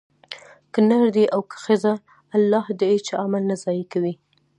که نر دی او که ښځه؛ الله د هيچا عمل نه ضائع کوي